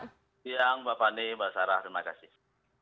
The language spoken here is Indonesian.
selamat siang bapak nih mbak sarah terima kasih